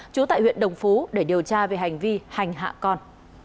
trú tại huyện đồng phú để điều tra về hành vi hành hạ con